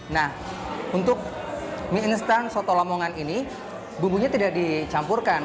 nah untuk mie instan soto lamongan ini bumbunya tidak dicampurkan